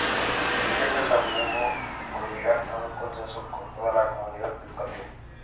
Iglesias abogó por llegar a un consenso con toda la comunidad educativa.